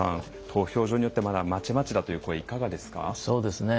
投票所によってはまだまちまちだという声いかがですか？